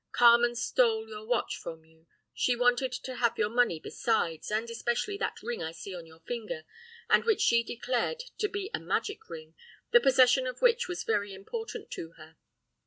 Carmen stole your watch from you, she wanted to have your money besides, and especially that ring I see on your finger, and which she declared to be a magic ring, the possession of which was very important to her.